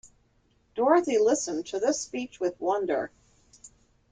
Dorothy listened to this speech with wonder.